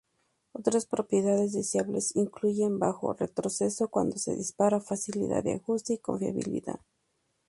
Otras propiedades deseables incluyen bajo retroceso cuando se dispara, facilidad de ajuste y confiabilidad.